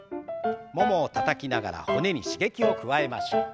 ももをたたきながら骨に刺激を加えましょう。